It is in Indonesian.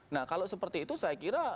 nah kalau seperti itu saya kira